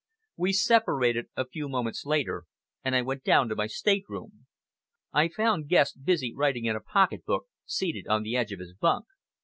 We separated a few moments later, and I went down to my state room. I found Guest busy writing in a pocket book, seated on the edge of his bunk.